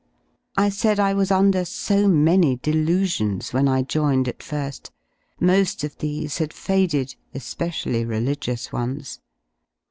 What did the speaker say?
js ^( I said I was under so many delusions when I joined at fir^; " mo^ of these had faded, especially religious ones.